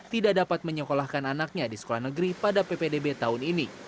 tidak dapat menyekolahkan anaknya di sekolah negeri pada ppdb tahun ini